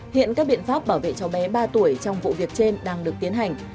hiện các biện pháp bảo vệ cháu bé ba tuổi trong vụ việc trên đang được tiến hành